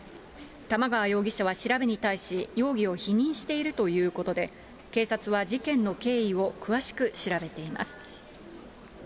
玉川容疑者は調べに対し、容疑を否認しているということで、警察は事件の経緯を詳しく調べています。